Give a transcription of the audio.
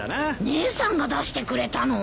姉さんが出してくれたの？